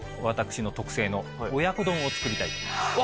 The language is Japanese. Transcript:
私の特製の親子丼を作りたいと思います。